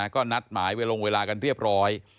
ก็นัดหมายเรียบร้อย